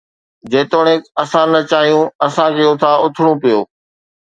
جيتوڻيڪ اسان نه چاهيو، اسان کي اتان اٿڻو پيو